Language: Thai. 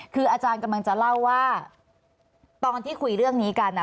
คืออาจารย์กำลังจะเล่าว่าตอนที่คุยเรื่องนี้กัน